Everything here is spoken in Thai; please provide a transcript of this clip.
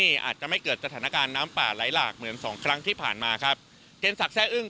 ได้จัดเตรียมความช่วยเหลือประบบพิเศษสี่ชน